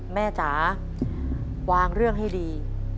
จ๋าวางเรื่องให้ดี